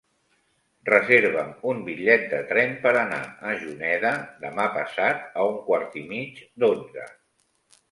Reserva'm un bitllet de tren per anar a Juneda demà passat a un quart i mig d'onze.